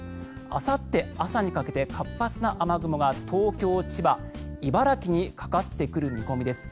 あさって朝にかけて活発な雨雲が東京、千葉、茨城にかかってくる見込みです。